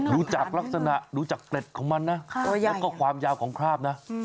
ดูจากลักษณะดูจากเกร็ดของมันนะแล้วก็ความยาวของคราบนะ